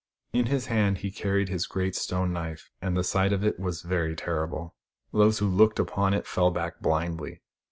In his hand he carried his great stone knife, and the sight of it was very terrible. Those who looked upon it fell back blindly.